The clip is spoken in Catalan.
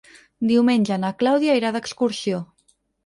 Diumenge na Clàudia irà d'excursió.